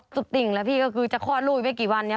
สุดติ่งแล้วพี่ก็คือจะคลอดรูปไว้กี่วันเนี่ย